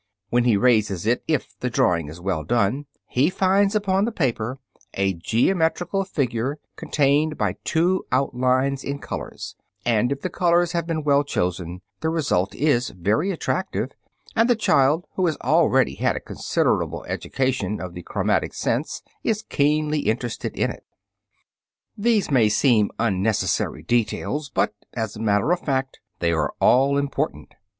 When he raises it, if the drawing is well done, he finds upon the paper a geometrical figure contained by two outlines in colors, and, if the colors have been well chosen, the result is very attractive, and the child, who has already had a considerable education of the chromatic sense is keenly interested in it. These may seem unnecessary details, but, as a matter of fact, they are all important.